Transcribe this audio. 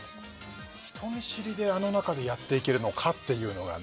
人見知りであの中でやっていけるのかっていうのがね